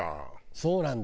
そうなんだ。